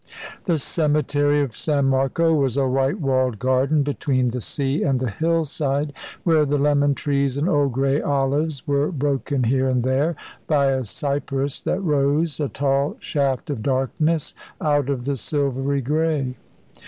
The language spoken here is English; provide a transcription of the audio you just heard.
The cemetery of San Marco was a white walled garden between the sea and the hill side, where the lemon trees and old, grey olives were broken here and there by a cypress that rose, a tall shaft of darkness, out of the silvery grey.